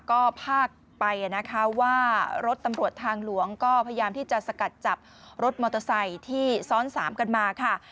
ก็พากไปนะคะว่ารถตำรวจทางหลวงก็พยายามที่จะสกัดจับรถมอเตอร์ไซค์ที่ซ้อนสามกันมาค่ะ